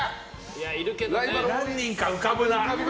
何人か浮かぶな。